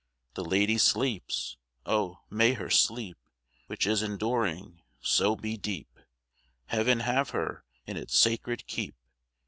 The lady sleeps! Oh, may her sleep Which is enduring, so be deep! Heaven have her in its sacred keep!